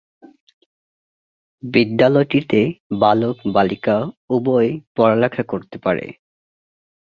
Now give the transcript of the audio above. বিদ্যালয়টিতে বালক-বালিকা উভয়েই পড়ালেখা করতে পারে।